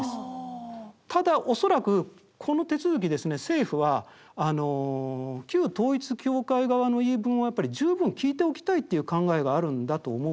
ただ恐らくこの手続きですね政府は旧統一教会側の言い分をやっぱり十分聞いておきたいっていう考えがあるんだと思うんですよ。